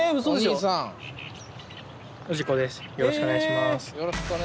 よろしくお願いします。